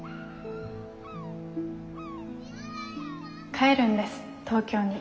帰るんです東京に。